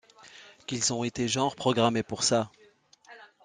Qu’ils ont été genre programmés pour ça.